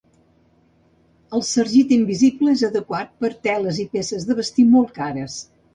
El sargit invisible és adequat per a teles i peces de vestir molt cares.